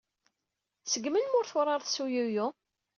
Seg melmi ur turared s uyuyu?